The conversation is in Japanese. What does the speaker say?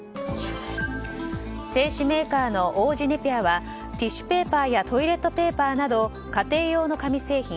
製紙メーカーの王子ネピアはティッシュペーパーやトイレットペーパーなど家庭用の紙製品